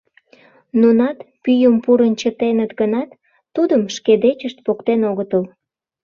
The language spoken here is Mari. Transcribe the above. Нунат, пӱйым пурын чытеныт гынат, тудым шке дечышт поктен огытыл.